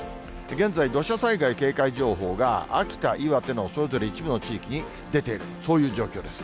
現在、土砂災害警戒情報が秋田、岩手のそれぞれ一部の地域に出ている、そういう状況です。